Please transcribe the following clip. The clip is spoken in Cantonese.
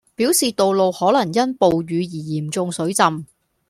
表示道路可能因暴雨而嚴重水浸